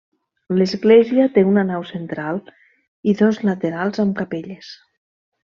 L'església té una nau central i dos laterals amb capelles.